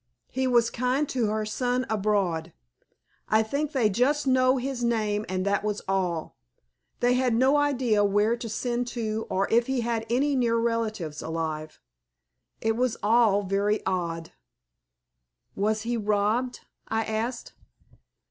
He was kind to her son abroad. I think they just know his name and that was all. They had no idea where to send to or if he had any near relatives alive. It was all very odd." "Was he robbed?" I asked.